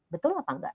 betul apa enggak